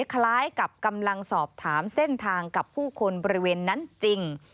คล้ายกับกำลังสอบถามเส้นทางกับผู้คนบริเวณนั้นจริง